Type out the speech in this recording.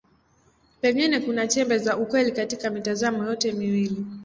Pengine kuna chembe za ukweli katika mitazamo yote miwili.